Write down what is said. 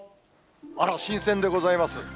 あら、新鮮でございます。